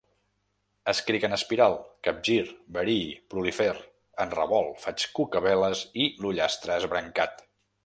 Escric en espiral, capgir, varii, prolifer, enrevolt, faig cucaveles i l’ullastre esbrancat.